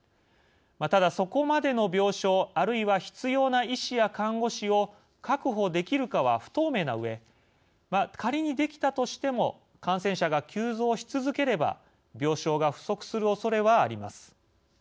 ただ、そこまでの病床あるいは必要な医師や看護師を確保できるかは不透明なうえ仮にできたとしても感染者が急増し続ければ病床が不足するおそれはあります。